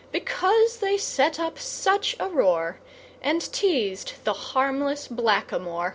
Because they set up such a roar, And teased the harmless Black a moor.